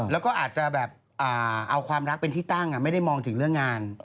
แล้วก็อาจจะแบบเอาความรักเป็นที่ตั้งไม่ได้มองถึงเรื่องงาน